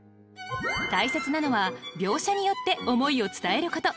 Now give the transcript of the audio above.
大切なのは描写によって思いを伝えること。